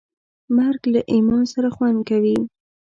مرګ له ایمان سره خوند کوي.